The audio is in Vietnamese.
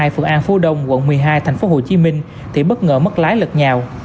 phượng an phú đông quận một mươi hai thành phố hồ chí minh thì bất ngờ mất lái lật nhào